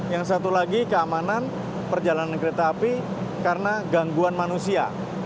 yang satu lagi keamanan perjalanan kereta api karena gangguan manusia